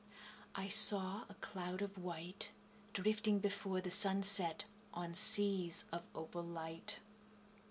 . I saw a cloud of white Drifting before the sunset On seas of opal light.